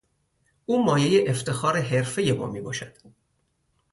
او مایهی افتخار حرفهی ما میباشد.